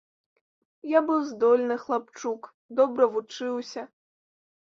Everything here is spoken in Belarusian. Я быў здольны хлапчук, добра вучыўся.